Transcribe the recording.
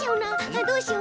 あっどうしよう。